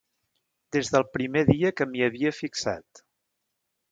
Des del primer dia que m'hi havia fixat...